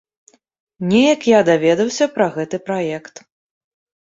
Неяк я даведаўся пра гэты праект.